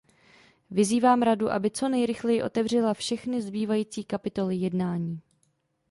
Vyzývám Radu, aby co nejrychleji otevřela všechny zbývající kapitoly jednání.